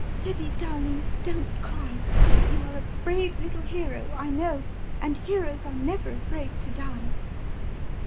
"Ceddie, darling, don't cry. You are a brave little hero, I know, and heroes are never afraid to die."